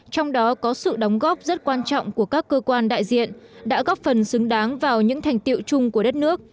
trong đó có sự đóng góp rất quan trọng của các cơ quan đại diện đã góp phần xứng đáng vào những thành tiệu chung của đất nước